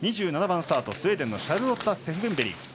２７番スタート、スウェーデンのシャルロッタ・セフベンベリ。